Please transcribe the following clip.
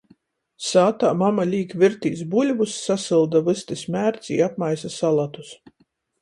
Sātā mama līk virtīs buļvus, sasylda vystys mērci i apmaisa salatus.